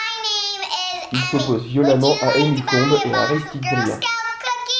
Il s'oppose violemment à Emile Combes et à Aristide Briand.